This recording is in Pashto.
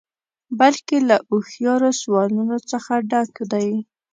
بلکې له هوښیارو سوالونو څخه ډک دی.